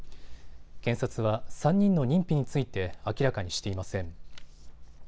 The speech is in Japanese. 検察は３人の認否について明らかにしていません。